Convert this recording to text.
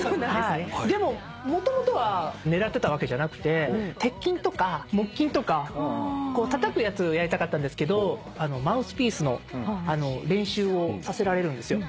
でももともとは狙ってたわけじゃなくて鉄琴とか木琴とかたたくやつやりたかったんですけどマウスピースの練習をさせられるんですよ。